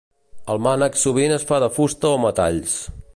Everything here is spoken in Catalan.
El mànec sovint es fa de fusta o metalls.